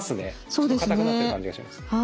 ちょっと硬くなってる感じがします。